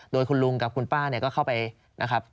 โดยคุณลุงกับคุณป้าเนี่ยก็เข้าไปนะครับ